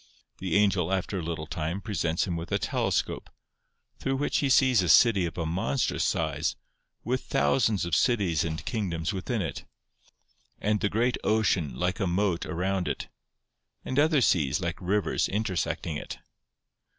The angel, after a little time, presents him with a telescope, through which he sees a city of a monstrous size, with thousands of cities and kingdoms within it; and the great ocean, like a moat, around it; and other seas, like rivers, intersecting it.